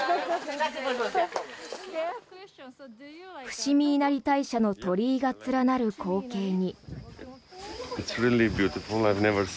伏見稲荷大社の鳥居が連なる光景に。